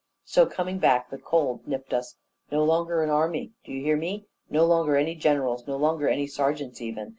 So, coming back, the cold nipped us. No longer an army do you hear me? no longer any generals, no longer any sergeants even.